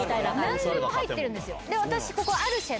何でも入ってるんですよ。